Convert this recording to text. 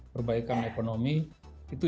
perbaikan ekonomi itu